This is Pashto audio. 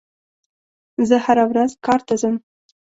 زه هره ورځ کار ته ځم.